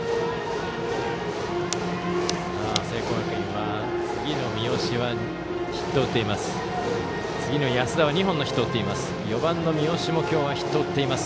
聖光学院、次の安田は２本のヒットを打っています。